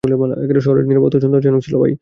শহরের নীরবতা সন্দেহজনক ছিল।